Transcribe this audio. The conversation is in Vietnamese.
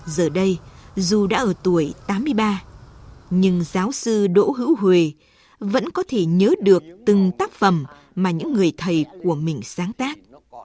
giờ đây dù đã ở tuổi tám mươi ba nhưng giáo sư đỗ hữu hùê vẫn có thể nhớ được từng tác phẩm mà những người thầy của mình sáng tác